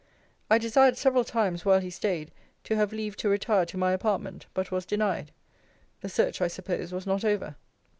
I desired several times, while he staid, to have leave to retire to my apartment; but was denied. The search, I suppose, was not over.